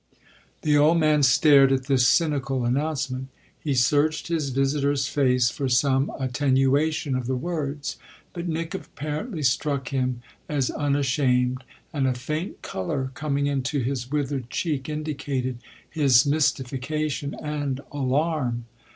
The old man stared at this cynical announcement: he searched his visitor's face for some attenuation of the words. But Nick apparently struck him as unashamed, and a faint colour coming into his withered cheek indicated his mystification and alarm.